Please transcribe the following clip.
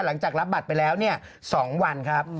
หลังจากรับบัตรไปแล้ว๒วันครับ